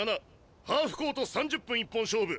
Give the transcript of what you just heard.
ハーフコート３０分一本勝負。